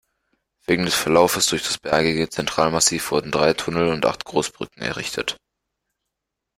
Wegen des Verlaufes durch das bergige Zentralmassiv wurden drei Tunnel und acht Großbrücken errichtet.